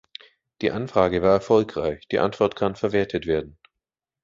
Die Anfrage war erfolgreich, die Antwort kann verwertet werden.